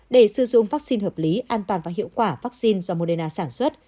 để sử dụng vaccine hợp lý an toàn và hiệu quả vaccine do moderna sản xuất